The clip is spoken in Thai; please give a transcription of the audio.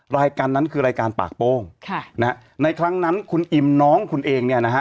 รายการนั้นคือรายการปากโป้งค่ะนะฮะในครั้งนั้นคุณอิมน้องคุณเองเนี่ยนะฮะ